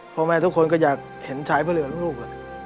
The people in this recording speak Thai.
พ่อแม่ทุกคนก็อยากเห็นชายเพื่อเหลือลูก